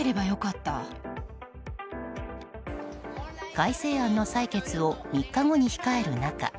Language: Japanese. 改正案の採決を３日後に控える中